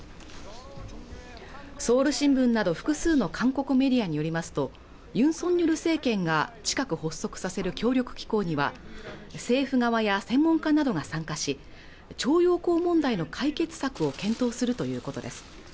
ソウル新聞など複数の韓国メディアによりますとユン・ソンニョル政権が近く発足させる協力機構には政府側や専門家などが参加し徴用工問題の解決策を検討するということです